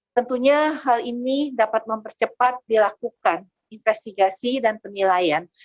tentunya hal ini dapat mempercepat dilakukan investigasi dan penilaian